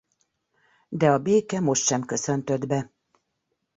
De a béke most sem köszöntött be.